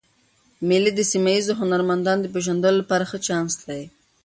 مېلې د سیمه ییزو هنرمندانو د پېژندلو له پاره ښه چانس دئ.